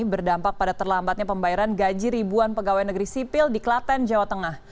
berdampak pada terlambatnya pembayaran gaji ribuan pegawai negeri sipil di klaten jawa tengah